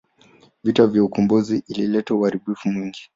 Vita ya ukombozi ilileta uharibifu mwingi.